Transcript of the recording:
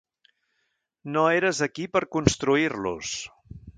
No eres aquí per construir-los.